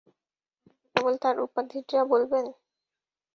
আমাকে কেবল তার উপাধিটা বলবেন?